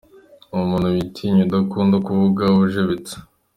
Ni umuntu witinya, udakunda kuvuga, ujebetse .